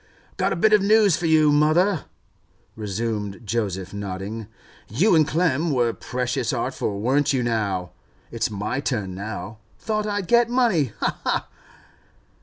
'Got a bit of news for you, mother,' resumed Joseph, nodding. 'You and Clem were precious artful, weren't you now? It's my turn now. Thought I'd got money—ha, ha!